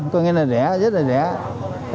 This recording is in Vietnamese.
có nghĩa là rẻ rất là rẻ